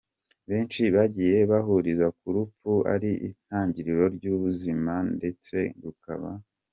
Benshi bagiye bahuriza ko urupfu ari itangiriro ry’ubuzima ndetse rukaba.